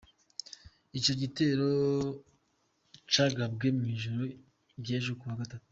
Ico gitero cagabwe mw'ijoro ry'ejo kuwa gatatu.